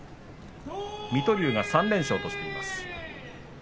水戸龍が３連勝としています。